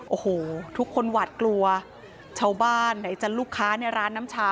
โอ้โหทุกคนหวาดกลัวชาวบ้านไหนจะลูกค้าในร้านน้ำชา